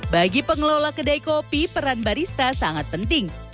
bagi pengelola kedai kopi peran barista sangat penting